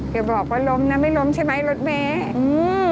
อย่าบอกว่าล้มนะไม่ล้มใช่ไหมรถแมว